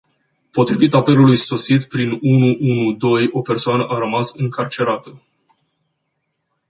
Potrivit apelului sosit prin unu unu doi, o persoană a rămas încarcerată.